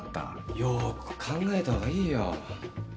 よく考えた方がいいよ